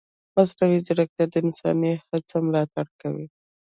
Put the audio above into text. مصنوعي ځیرکتیا د انساني هڅو ملاتړ کوي.